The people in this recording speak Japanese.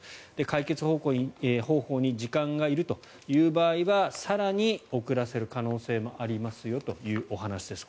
解決方法に時間がいるという場合は更に遅らせる可能性もありますよというお話です。